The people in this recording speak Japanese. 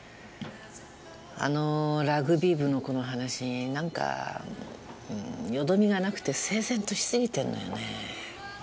あのラグビー部の子の話なんか淀みがなくて整然としすぎてんのよね。